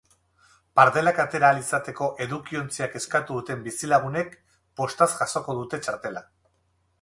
Pardelak atera ahal izateko edukiontzia eskatu duten bizilagunek postaz jasoko dute txartela.